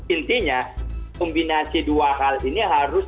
intinya kombinasi dua hal ini harus